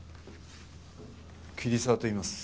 桐沢といいます。